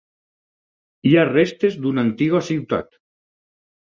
Hi ha restes d'una antiga ciutat.